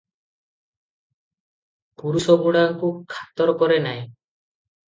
ପୁରୁଷଗୁଡ଼ାଙ୍କୁ ଖାତର କରେ ନାହିଁ ।